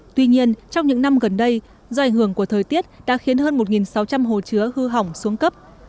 tuy nhiên trong những năm gần đây do ảnh hưởng của thời tiết đã khiến hơn một sáu trăm linh hồ chứa hư hỏng xuống cấp